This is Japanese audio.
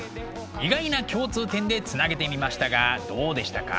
意外な共通点でつなげてみましたがどうでしたか？